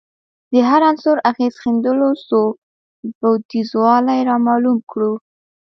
د هر عنصر اغېز ښندلو څو بعدیزوالی رامعلوم کړو